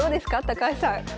高橋さん。